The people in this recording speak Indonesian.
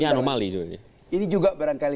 ini anomali ini juga barangkali